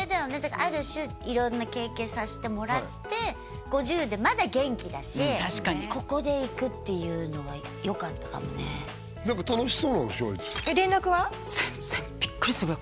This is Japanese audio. ある種色んな経験させてもらって５０でまだ元気だし確かにここで行くっていうのはよかったかもね何か楽しそうなんでしょ